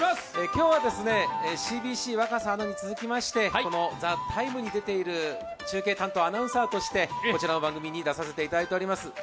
今日はですね、ＣＢＣ・若狭に続きましてこの「ＴＨＥＴＩＭＥ，」に出ている中継担当アナウンサーとして、こちらの番組に出させていただいております。